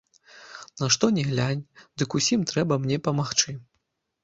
На што ні глянь, дык усім трэба мне памагчы.